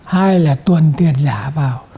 hai là tuần tiền giả vào